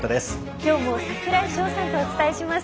きょうも櫻井翔さんとお伝えします。